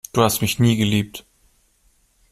Du hast mich nie geliebt.